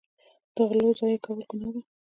د غلو ضایع کول ګناه ده.